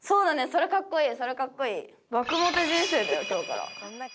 それかっこいい！